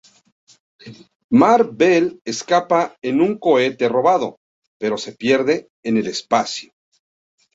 Mar-Vell escapa en un cohete robado, pero se pierde en el espacio.